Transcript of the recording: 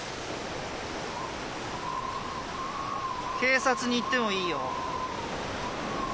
警察に行ってもいいよ。